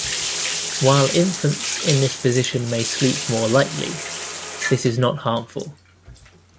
While infants in this position may sleep more lightly this is not harmful.